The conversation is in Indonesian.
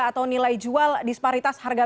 atau nilai jual disparitas harga